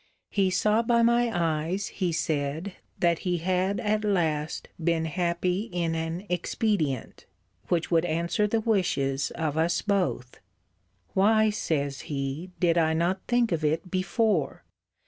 He saw by my eyes, he said, that he had at last been happy in an expedient, which would answer the wishes of us both. Why, says he, did I not think of it before?